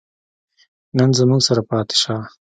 نن زموږ سره پاتې شه